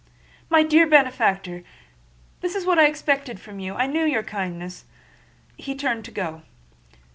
"My dear benefactor! This is what I expected from you—I knew your kindness!" He turned to go.